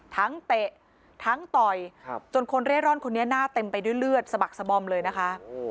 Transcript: เตะทั้งต่อยจนคนเร่ร่อนคนนี้หน้าเต็มไปด้วยเลือดสะบักสบอมเลยนะคะ